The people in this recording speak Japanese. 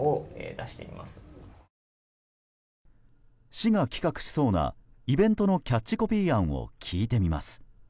市が企画しそうなイベントのキャッチコピー案を聞いてみます。